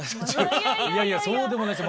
いやいやそうでもないですよ。